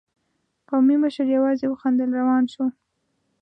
قومي مشر يواځې وخندل، روان شو.